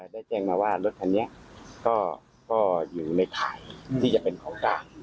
แจ้งมาว่ารถคันนี้ก็อยู่ในข่ายที่จะเป็นของกลาง